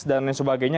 dan lain sebagainya